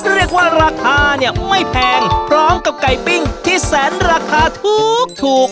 เรียกว่าราคาเนี่ยไม่แพงพร้อมกับไก่ปิ้งที่แสนราคาถูก